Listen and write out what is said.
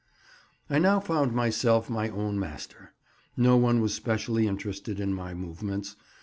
I now found myself my own master. No one was specially interested in my movements.